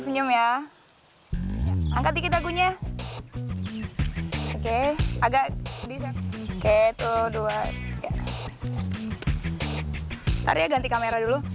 nanti ya ganti kamera dulu